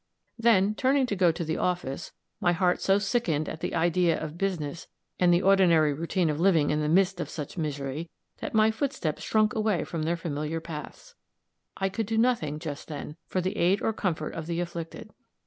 Then, turning to go to the office, my heart so sickened at the idea of business and the ordinary routine of living in the midst of such misery, that my footsteps shrunk away from their familiar paths! I could do nothing, just then, for the aid or comfort of the afflicted.